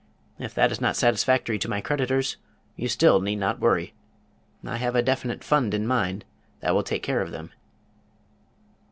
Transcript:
If that is not satisfactory to my creditors, you still need not worry. I have a definite fund in mind that will take care of them."